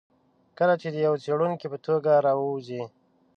کله چې د یوه څېړونکي په توګه راووځي.